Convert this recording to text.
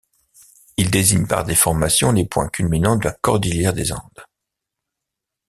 Il désigne par déformation les points culminants de la Cordillière des Andes.